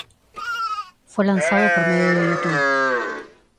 Fue lanzado por medio de YouTube.